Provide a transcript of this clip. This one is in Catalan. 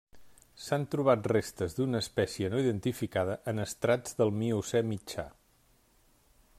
S'han trobat restes d'una espècie no identificada en estrats del Miocè mitjà.